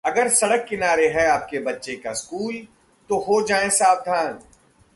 अगर सड़क किनारे है आपके बच्चे का स्कूल तो... हो जाएं सावधान!